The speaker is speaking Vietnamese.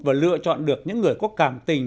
và lựa chọn được những người có cảm tình